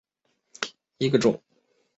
淡钟杜鹃为杜鹃花科杜鹃属下的一个种。